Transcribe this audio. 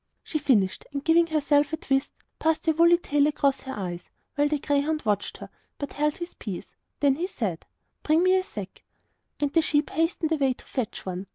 She finished, and giving herself a twist, passed her woolly tail across her eyes; while the greyhound watched her, but held his peace. Then he said: 'Bring me a sack.' And the sheep hastened away to fetch one.